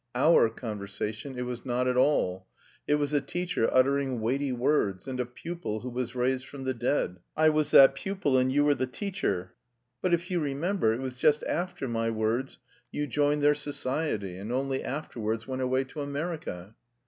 'Our' conversation it was not at all. It was a teacher uttering weighty words, and a pupil who was raised from the dead. I was that pupil and you were the teacher." "But, if you remember, it was just after my words you joined their society, and only afterwards went away to America."